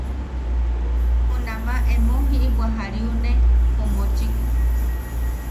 Junama emo jiʼibwa jariuriane ju mochik.